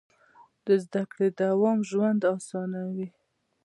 د زده کړې دوام ژوند اسانوي.